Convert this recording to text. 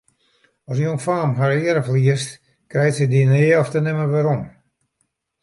As in jongfaam har eare ferliest, krijt se dy nea ofte nimmer werom.